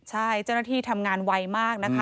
ใช่เจ้าหน้าที่ทำงานไวมากนะคะ